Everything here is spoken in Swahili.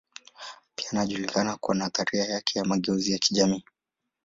Pia anajulikana kwa nadharia yake ya mageuzi ya kijamii.